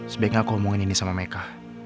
sebaiknya aku omongin ini sama mereka